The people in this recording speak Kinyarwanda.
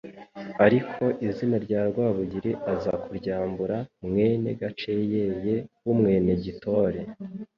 ariko izina rya Rwabugili aza kuryambura mwene Gaceyeye w' Umwenegitore